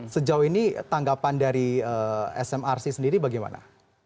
sejauh ini tanggapan dari smrc sendiri bagaimana